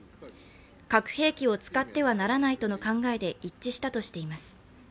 「核兵器を使ってはならない」との考えで一致したとしています。